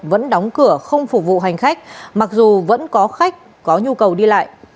vẫn đóng cửa không phục vụ hành khách mặc dù vẫn có khách có nhu cầu đi lại